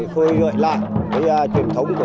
khôi gợi lại cái truyền thống của